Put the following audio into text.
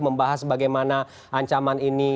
membahas bagaimana ancaman ini